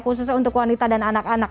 khususnya untuk wanita dan anak anak